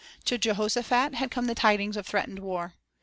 To Jehoshaphat had come the tidings of threatened war.